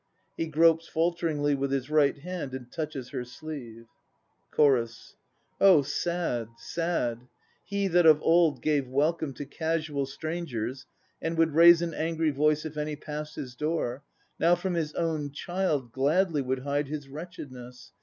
(He gropes falteringly with his right hand and touches her sleeve.) CHORUS. Oh sad, sad! He that of old gave welcome To casual strangers and would raise an angry voice If any passed his door, Now from his own child gladly Would hide his wretchedness.